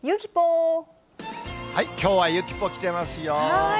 きょうはゆきポ、来てますよ。